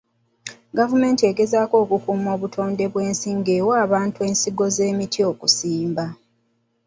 Gavumenti egezaako okukuuma obutonde bw'ensi nga ewa abantu ensigo z'emiti okusimba.